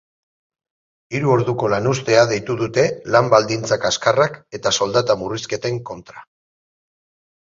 Hiru orduko lanuztea deitu dute lan baldintza kaskarrak eta soldata murrizketen kontra.